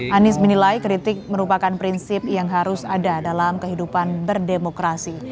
anies menilai kritik merupakan prinsip yang harus ada dalam kehidupan berdemokrasi